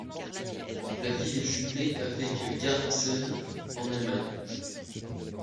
La ville est jumelée avec Garbsen en Allemagne.